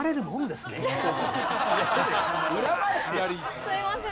すいません。